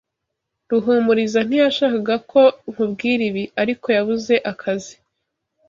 Ruhumuriza ntiyashakaga ko nkubwira ibi, ariko yabuze akazi.